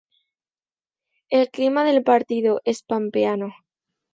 El clima del Partido es pampeano.